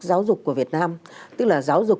giáo dục của việt nam tức là giáo dục